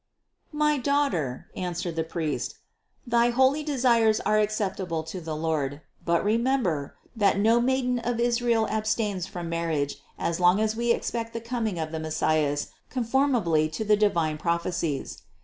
"My Daughter," answered the priest, "thy holy desires are acceptable to the Lord; but remember, that no maiden of Israel abstains from marriage as long as we expect the coming of the Messias conformably to the divine prophecies.